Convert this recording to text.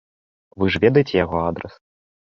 Вы ж ведаеце яго адрас?